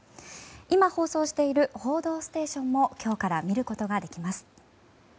今、放送している「報道ステーション」も今日から見ることができます。